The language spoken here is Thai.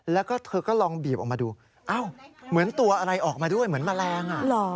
แล้วก็เธอก็ลองบีบออกมาดูอ้าวเหมือนตัวอะไรออกมาด้วยเหมือนแมลง